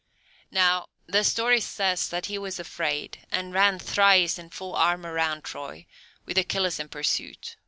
Now the story says that he was afraid, and ran thrice in full armour round Troy, with Achilles in pursuit.